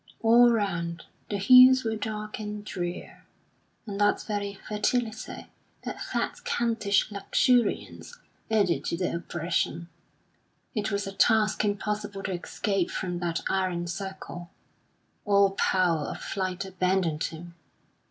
All round, the hills were dark and drear; and that very fertility, that fat Kentish luxuriance, added to the oppression. It was a task impossible to escape from that iron circle. All power of flight abandoned him.